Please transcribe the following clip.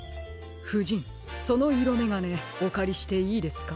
ふじんそのいろめがねおかりしていいですか？